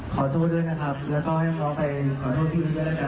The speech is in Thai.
ขอโทษด้วยนะครับแล้วก็ให้น้องไปขอโทษพี่ก็แล้วกัน